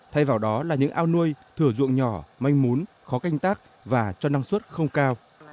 thay vào đó là những ao nuôi thửa ruộng nhỏ manh mún khó canh tác và cho năng suất không cao